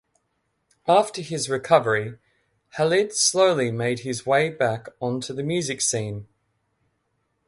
After his recovery, Halid slowly made his way back onto the music scene.